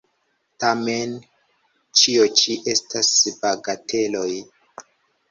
Tamen, ĉio ĉi estas bagateloj!